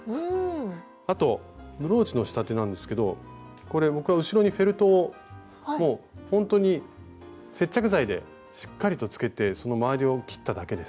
あとブローチの仕立てなんですけどこれ僕は後ろにフェルトをもうほんとに接着剤でしっかりとつけてそのまわりを切っただけです。